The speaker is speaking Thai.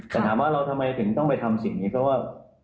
แต่ถามว่าเราทำไมถึงต้องไปทำสิ่งนี้เพราะว่า